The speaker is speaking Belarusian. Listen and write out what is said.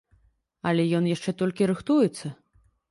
Але ён яшчэ толькі рыхтуецца.